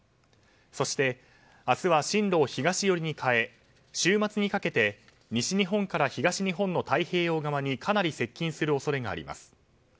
そして明日は進路を東寄りに変え週末にかけて西日本から東日本の太平洋側にかなり接近する恐れがあります。